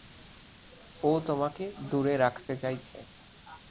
ও তোমাকে দূরে রাখতে চাইছে।